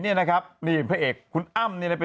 นี่นะครับนี่เป็นพระเอกคุณอ้าม